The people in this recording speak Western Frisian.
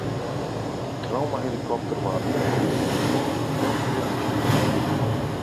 De traumahelikopter waard oproppen mar dy hoegde dochs net yn aksje te kommen.